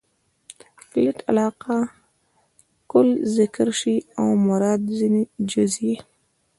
کلیت علاقه؛ کل ذکر سي او مراد ځني جز يي.